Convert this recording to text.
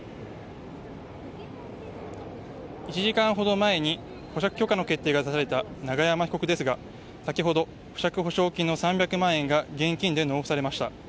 １時間ほど前に保釈許可の決定が出された永山被告ですが先ほど保釈保証金の３００万円が現金で納付されました。